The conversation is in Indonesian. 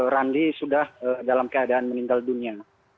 randi sudah dalam keadaan meninggal dunia